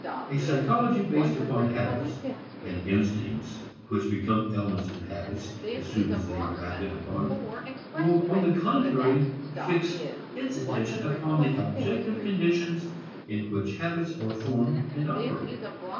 A psychology based upon habits (and instincts which become elements in habits as soon as they are acted upon) will on the contrary fix its attention upon the objective conditions in which habits are formed and operate.